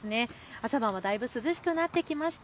朝晩はだいぶ涼しくなってきました。